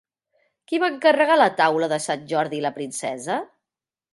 Qui va encarregar la taula de Sant Jordi i la princesa?